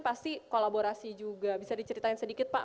pasti kolaborasi juga bisa diceritain sedikit pak